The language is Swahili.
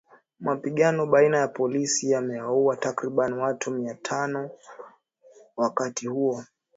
Mapigano baina ya polisi yameuwa takriban watu mia tangu wakati huo.